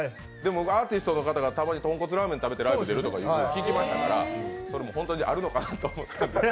アーティストの方がたまにとんこつラーメン食べるとか聞きましたからそれも本当にあるのかなと。